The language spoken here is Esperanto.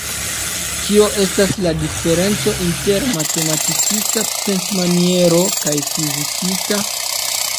Kio estas la diferenco inter matematikista pensmaniero kaj fizikista?